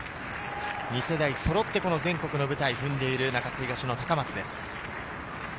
２世代そろって全国の舞台を踏んでいる中津東の高松です。